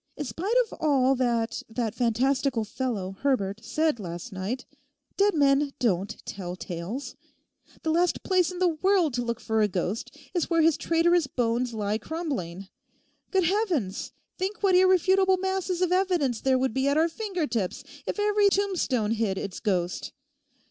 In spite of all that that fantastical fellow, Herbert, said last night, dead men don't tell tales. The last place in the world to look for a ghost is where his traitorous bones lie crumbling. Good heavens, think what irrefutable masses of evidence there would be at our finger tips if every tombstone hid its ghost!